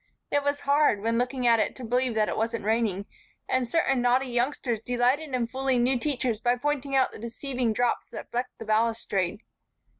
It was hard when looking at it to believe that it wasn't raining, and certain naughty youngsters delighted in fooling new teachers by pointing out the deceiving drops that flecked the balustrade.